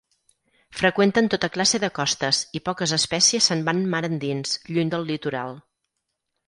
Freqüenten tota classe de costes i poques espècies se'n van mar endins, lluny del litoral.